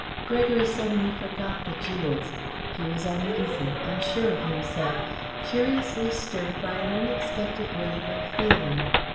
Gregory suddenly forgot the jewels. He was uneasy, unsure of himself, curiously stirred by an unexpected wave of feeling.